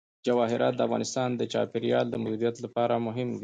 جواهرات د افغانستان د چاپیریال د مدیریت لپاره مهم دي.